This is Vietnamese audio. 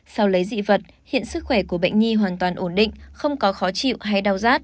sau lấy dị vật hiện sức khỏe của bệnh nhi hoàn toàn ổn định không có khó chịu hay đau rát